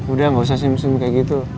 udah nggak usah simp simp kayak gitu